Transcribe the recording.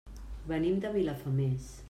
Venim de Vilafamés.